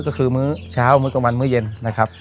ก็คือมื้อเช้ามื้อกลางวันมื้อเย็นนะครับ